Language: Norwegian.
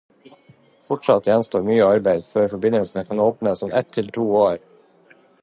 Fortsatt gjenstår mye arbeid før forbindelsen kan åpnes om ett til to år.